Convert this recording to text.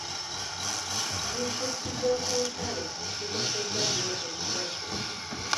Disitulikiti z'okunsalo zikoseddwa nnyo ekirwadde.